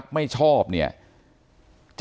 ขอบคุณมากครับขอบคุณมากครับ